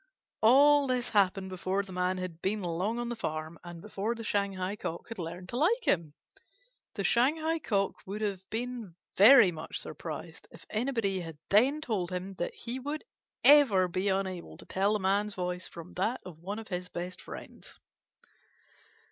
All this happened before the Man had been long on the farm, and before the Shanghai Cock had learned to like him. The Shanghai Cock would have been very much surprised if anybody had then told him that he would ever be unable to tell the Man's voice from that of one of his best friends.